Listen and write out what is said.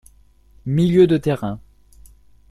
Milieu de terrain.